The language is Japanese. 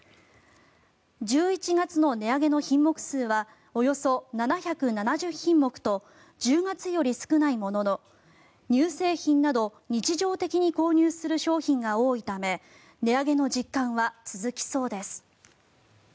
１１月の値上げの品目数はおよそ７７０品目と１０月より少ないものの乳製品など日常的に購入する商品が多いため値上げの実感は続きそうです。